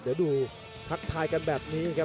เดี๋ยวดูทักทายกันแบบนี้ครับ